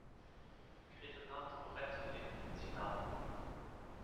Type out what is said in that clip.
Crettenand-Moretti lebt in Zinal.